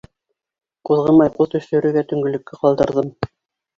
Ҡуҙғымай ҡуҙ төшөрөргә Төнгөлөккә ҡалдырҙым.